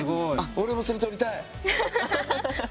俺もそれ撮りたい。